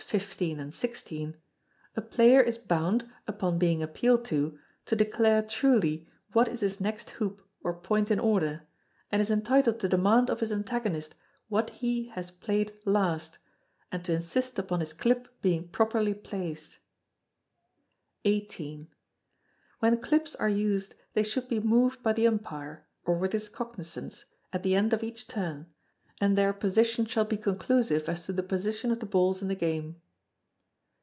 xv. and xvi), a player is bound, upon being appealed to, to declare truly what is his next hoop or point in order, and is entitled to demand of his antagonist what he his played last, and to insist upon his clip being properly placed. xviii. When clips are used they should be moved by the umpire, or with his cognisance, at the end of each turn, and their position shall he conclusive as to the position of the balls in the game.